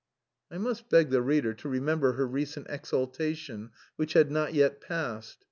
I must beg the reader to remember her recent "exaltation," which had not yet passed.